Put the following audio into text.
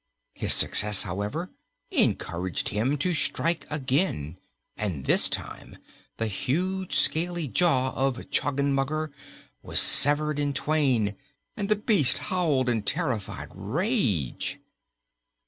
His success, however, encouraged him to strike again, and this time the huge scaly jaw of Choggenmugger was severed in twain and the beast howled in terrified rage.